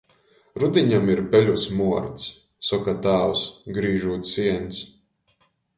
"Rudiņam ir peļu smuords," soka tāvs, grīžūt sieņs.